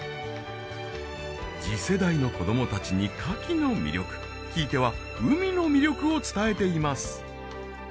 次世代の子供たちにカキの魅力ひいては海の魅力を伝えています